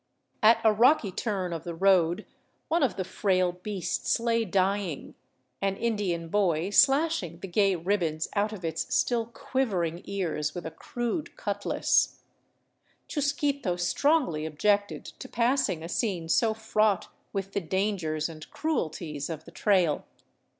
At a rocky turn of the road one of the frail beasts lay dying, an Indian boy slashing the gay ribbons out of its still quivering ears with a crude cutlass. Chusquito strongly objected to passing a scene so fraught with the dangers and cruelties of the trail.